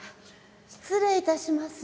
失礼いたします。